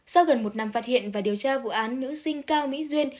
sau gần một năm phát hiện và điều tra vụ án nữ sinh cao mỹ duyên